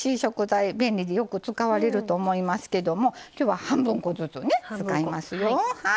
便利でよく使われると思いますけども今日は半分こずつね使いますよ。